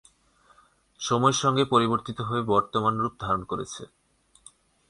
সময়ের সংগে পরিবর্তিত হয়ে বর্তমান রূপ ধারণ করেছে।